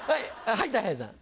はいたい平さん。